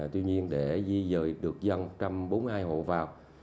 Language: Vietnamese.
tuy nhiên để di dời được dân một trăm bốn mươi hai hộ vào